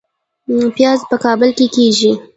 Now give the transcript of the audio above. پیاز په کابل کې کیږي